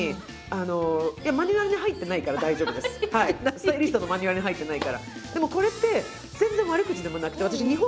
スタイリストのマニュアルに入ってないから。